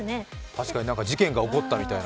確かに事件が起こったみたいな。